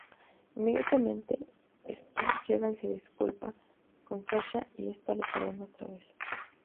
Inmediatamente Stu llega y se disculpa con Sasha y esta lo perdona otra vez.